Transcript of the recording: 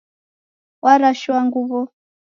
Warashua nguw'o